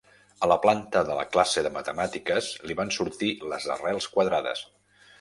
A la planta de la classe de matemàtiques li van sortir les arrels quadrades.